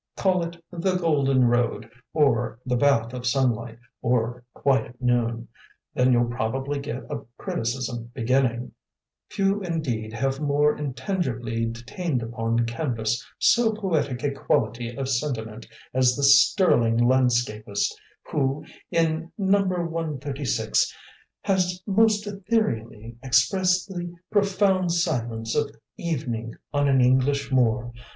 Call it 'The Golden Road,' or 'The Bath of Sunlight,' or 'Quiet Noon.' Then you'll probably get a criticism beginning, 'Few indeed have more intangibly detained upon canvas so poetic a quality of sentiment as this sterling landscapist, who in Number 136 has most ethereally expressed the profound silence of evening on an English moor.